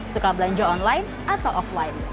suka belanja online atau offline